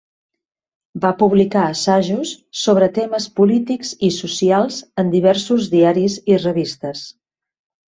Va publicar assajos sobre temes polítics i socials en diversos diaris i revistes.